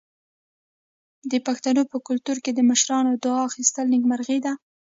د پښتنو په کلتور کې د مشرانو دعا اخیستل نیکمرغي ده.